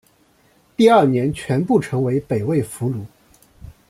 第二年全部成为北魏俘虏。